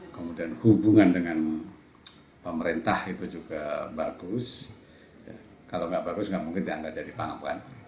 kemudian hubungan dengan pemerintah itu juga bagus kalau tidak bagus tidak mungkin anda jadi pangang